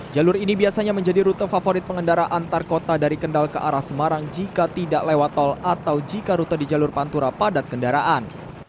jalur ini biasanya menjadi rute favorit pengendara antar kota dari kendal ke arah semarang jika tidak lewat tol atau jika rute di jalur pantura padat kendaraan